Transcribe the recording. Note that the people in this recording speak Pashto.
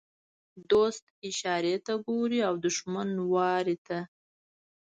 ـ دوست اشارې ته ګوري او دښمن وارې ته.